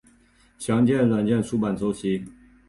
详见软件出版周期。